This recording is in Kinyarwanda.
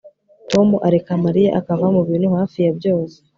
Tom areka Mariya akava mubintu hafi ya byose